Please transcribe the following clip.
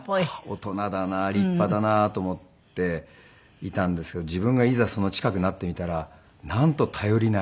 大人だな立派だなと思っていたんですけど自分がいざ近くなってみたらなんと頼りない。